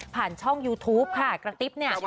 ช่องยูทูปค่ะกระติ๊บเนี่ย